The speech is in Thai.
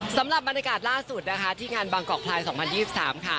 สำหรับบรรยากาศล่าสุดนะคะที่งานบางกอกพลายสองพันยี่สิบสามค่ะ